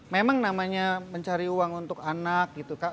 memang namanya mencari uang untuk anak gitu kak